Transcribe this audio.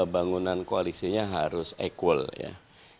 bangunan koalisinya harus ekonomi